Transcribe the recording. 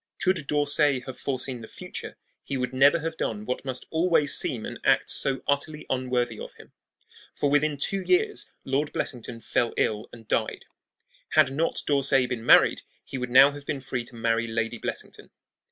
Could D'Orsay have foreseen the future he would never have done what must always seem an act so utterly unworthy of him. For within two years Lord Blessington fell ill and died. Had not D'Orsay been married he would now have been free to marry Lady Blessington.